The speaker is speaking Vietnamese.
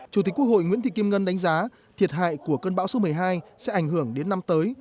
chủ tịch quốc hội nguyễn thị kim ngân đánh giá thiệt hại của cơn bão số một mươi hai sẽ ảnh hưởng đến năm tới